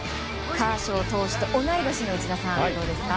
カーショー投手と同い年の内田さん、どうですか？